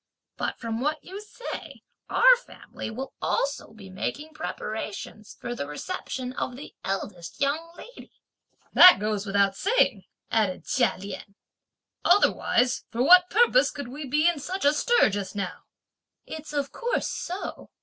but from what you say, our family will also be making preparations for the reception of the eldest young lady!" "That goes without saying," added Chia Lien, "otherwise, for what purpose could we be in such a stir just now?" "It's of course so!"